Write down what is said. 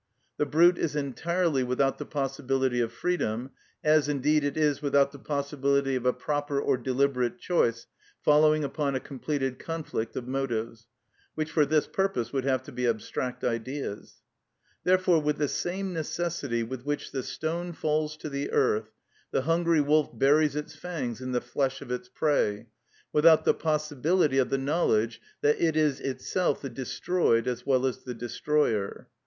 The brute is entirely without the possibility of freedom, as, indeed, it is without the possibility of a proper or deliberate choice following upon a completed conflict of motives, which for this purpose would have to be abstract ideas. Therefore with the same necessity with which the stone falls to the earth, the hungry wolf buries its fangs in the flesh of its prey, without the possibility of the knowledge that it is itself the destroyed as well as the destroyer.